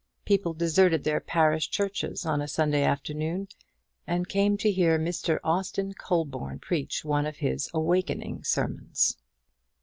People deserted their parish churches on a Sunday afternoon and came to hear Mr. Austin Colborne preach one of his awakening sermons.